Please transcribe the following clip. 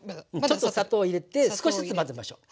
ちょっと砂糖入れて少しずつ混ぜましょう。